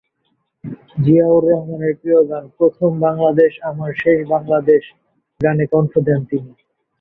জিয়াউর রহমানের প্রিয় গান, "প্রথম বাংলাদেশ আমার শেষ বাংলাদেশ" গানে কণ্ঠ দেন তিনি।